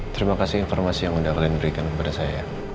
terima kasih informasi yang sudah kalian berikan kepada saya